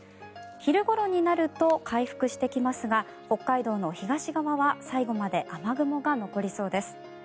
昼ごろになると回復してきますが北海道の東側は最後まで雨雲が残りそうです。